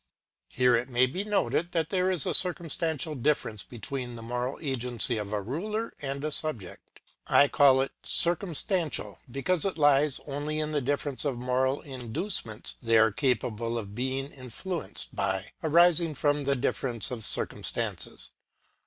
Here it may be noted, that there is a circumstantial difference between the moral agency of a ruler and a subject. I call it circumstantial, because it lies only in the difference of moral inducements they are capable of being influenced by, arising from the difference of circum stances.